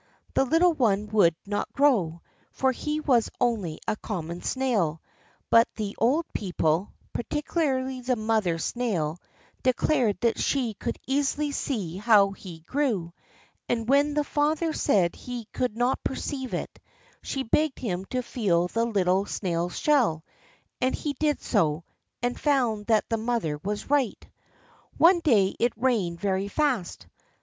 The little one would not grow, for he was only a common snail; but the old people, particularly the mother snail, declared that she could easily see how he grew; and when the father said he could not perceive it, she begged him to feel the little snail's shell, and he did so, and found that the mother was right. One day it rained very fast.